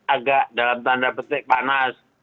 agak dalam tanda petik panas